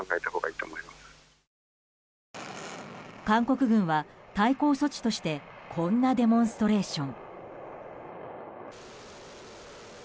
韓国軍は対抗措置としてこんなデモンストレーション。